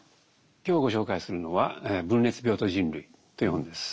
今日ご紹介するのは「分裂病と人類」という本です。